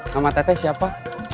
nama tete siapa